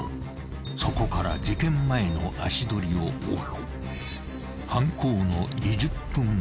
［そこから事件前の足取りを追う］